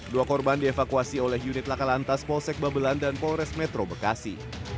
dua korban dievakuasi oleh unit lakalantas polsek babelan dan polres metro bekasi